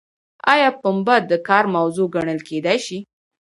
ایا پنبه د کار موضوع ګڼل کیدای شي؟